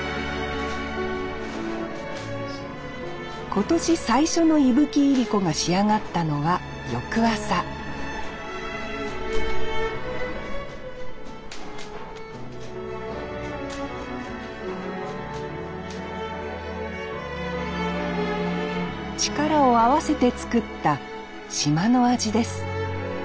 今年最初の伊吹いりこが仕上がったのは翌朝力を合わせて作った島の味です